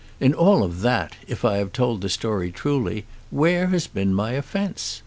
In all of that, if I have told the story truly, where has been my offence?